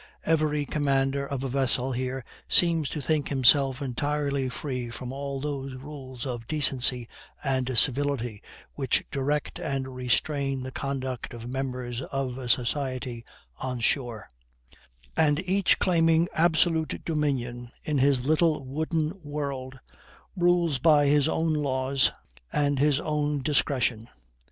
Every commander of a vessel here seems to think himself entirely free from all those rules of decency and civility which direct and restrain the conduct of the members of a society on shore; and each, claiming absolute dominion in his little wooden world, rules by his own laws and his own discretion.